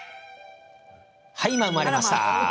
今、生まれました。